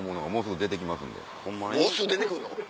もうすぐ出てくんの？